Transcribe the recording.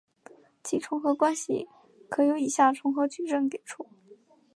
其重合关系可由以下重合矩阵给出。